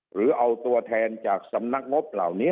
หรือเอาตัวแทนจากสำนักงบเหล่านี้